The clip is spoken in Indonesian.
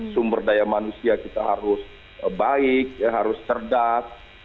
sumber daya manusia kita harus baik harus cerdas